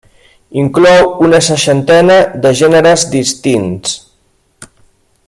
Inclou una seixantena de gèneres distints.